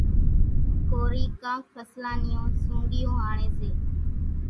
ڪورِي ڪانڪ ڦصلان نِيون سونڳِيون هاڻيَ سي۔